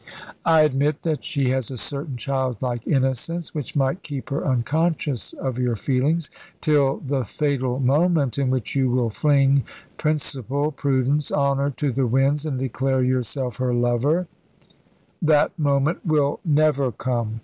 "I admit that she has a certain childlike innocence which might keep her unconscious of your feelings, till the fatal moment in which you will fling principle, prudence, honour to the winds and declare yourself her lover " "That moment will never come.